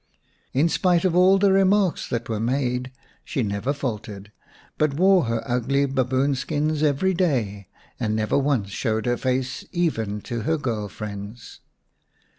In spite of all the remarks that were made she never faltered, but wore her ugly baboon skins every day, and never once showed her face even to her girl friends.